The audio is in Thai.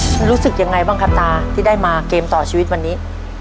มันรู้สึกยังไงบ้างครับตาที่ได้มาเกมต่อชีวิตวันนี้